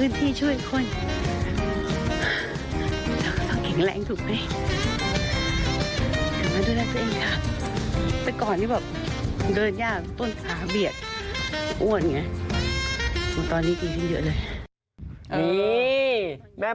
นี่แม่บุ๋มก็แกล้งตัวเองวะ